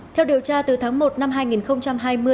theo điều tra từ tháng một năm hai nghìn hai mươi